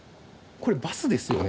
これバスですよね？